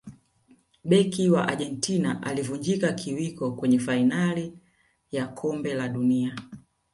beki wa argentina alivunjika kiwiko kwenye fainali ya kombe la dunia